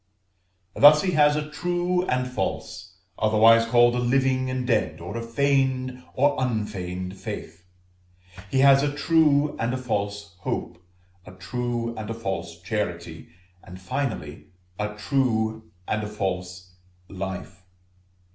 Thus he has a true and false (otherwise called a living and dead, or a feigned or unfeigned) faith. He has a true and a false hope, a true and a false charity, and, finally, a true and a false life.